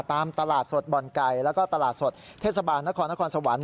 ตามตลาดสดบ่อนไก่แล้วก็ตลาดสดเทศบาลนครนครสวรรค